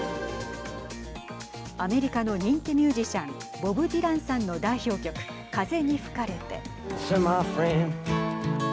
アメリカの人気ミュージシャンボブ・ディランさんの代表曲「風に吹かれて」。